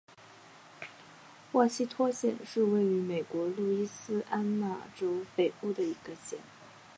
沃希托县是位于美国路易斯安那州北部的一个县。